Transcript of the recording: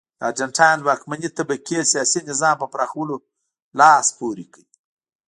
د ارجنټاین واکمنې طبقې سیاسي نظام په پراخولو لاس پورې کړ.